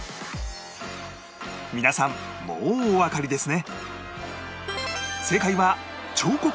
皆さんもうおわかりですね